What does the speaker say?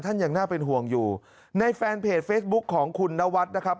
ยังน่าเป็นห่วงอยู่ในแฟนเพจเฟซบุ๊คของคุณนวัดนะครับ